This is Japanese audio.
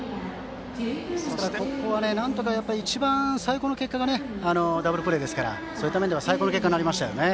ここは最高の結果がダブルプレーですからそういった面では最高の結果になりましたよね。